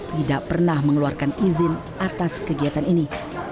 tidak pernah mengeluarkan izin atas kegiatan ini